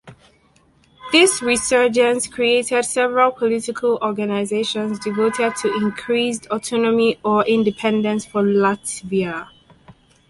This resurgence created several political organisations devoted to increased autonomy or independence for Latvia.